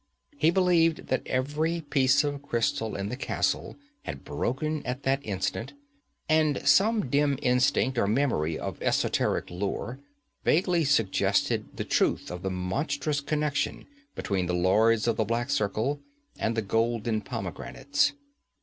He believed that every piece of crystal in the castle had broken at that instant, and some dim instinct or memory of esoteric lore vaguely suggested the truth of the monstrous connection between the Lords of the Black Circle and the golden pomegranates.